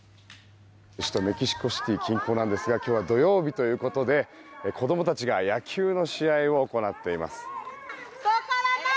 メキシコシティ近郊なんですが今日は土曜日ということで子供たちが野球の試合を行っています。